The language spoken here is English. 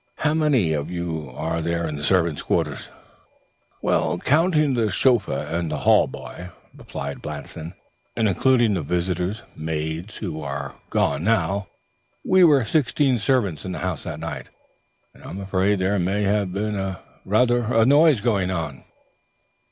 "How many of you are there in the servants' quarters?" "Counting the chauffeur and the hall boy," replied Blanston, "and including the visitors' maids, who are gone now, we were sixteen servants in the house that night. I am afraid there may have been rather a noise going on."